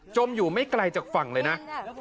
มอยู่ไม่ไกลจากฝั่งเลยนะ